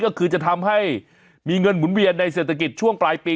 ก็คือจะทำให้มีเงินหมุนเวียนในเศรษฐกิจช่วงปลายปี